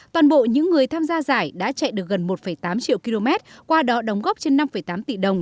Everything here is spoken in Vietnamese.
toàn bộ những người tham gia giải đã chạy được gần một tám triệu km qua đó đóng góp trên năm tám tỷ đồng